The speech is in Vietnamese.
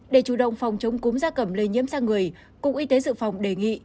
để chủ động phòng chống cúm da cầm lây nhiễm sang người cục y tế dự phòng đề nghị